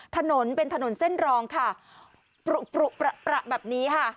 ถนนเป็นถนนเส้นรองค่ะปลุประแบบนี้ค่ะ